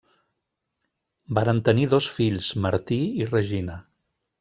Varen tenir dos fills, Martí i Regina.